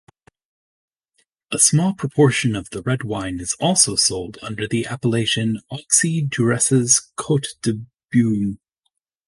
A small proportion of the red wine is also sold under the appellation "Auxey-Duresses-Côte de Beaune".